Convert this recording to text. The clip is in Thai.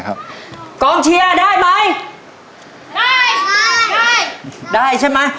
กองเชียร์ได้มั้ย